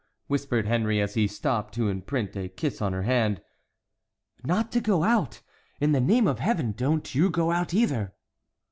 whispered Henry, as he stooped to imprint a kiss on her hand. "Not to go out. In the name of Heaven, do not you go out either!"